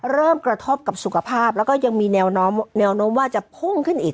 เริ่มกระทบกับสุขภาพแล้วก็ยังมีแนวโน้มว่าจะพุ่งขึ้นอีก